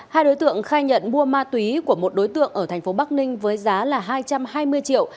hai đối tượng khai nhận mua ma túy của một đối tượng ở thành phố bắc ninh với giá là hai trăm hai mươi triệu